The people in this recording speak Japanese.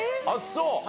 あっそう。